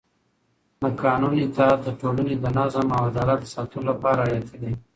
د قانون اطاعت د ټولنې د نظم او عدالت د ساتلو لپاره حیاتي دی